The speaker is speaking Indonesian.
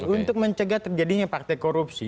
untuk mencegah terjadinya praktek korupsi